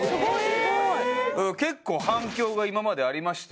結構反響が今までありまして。